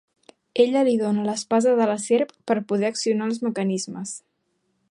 Ella li dóna l'espasa de la serp per poder accionar els mecanismes.